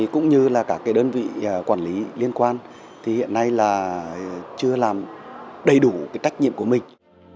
cũng như là các đơn vị quản lý liên quan thì hiện nay là chưa làm đầy đủ trách nhiệm của mình